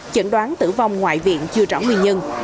chẩn đoán tử vong ngoại viện chưa rõ nguyên nhân